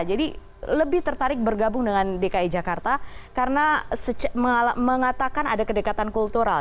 jadi lebih tertarik bergabung dengan dki jakarta karena mengatakan ada kedekatan kultural